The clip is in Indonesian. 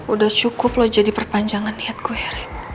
udah cukup lo jadi perpanjangan niat gue rick